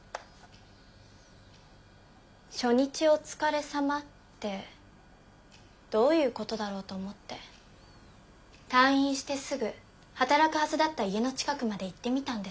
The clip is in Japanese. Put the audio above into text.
初日お疲れさまってどういうことだろうと思って退院してすぐ働くはずだった家の近くまで行ってみたんです。